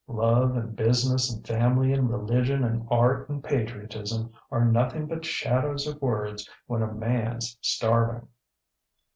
Love and business and family and religion and art and patriotism are nothing but shadows of words when a manŌĆÖs starving!